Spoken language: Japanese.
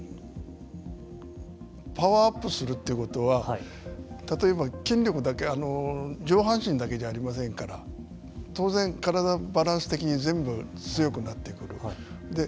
パワーアップするということは例えば筋力だけ上半身だけじゃありませんから当然、体バランス的に全部強くなってくる。